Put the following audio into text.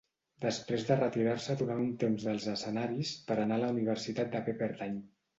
Després de retirar-se durant un temps dels escenaris per a anar a la universitat de Pepperdine.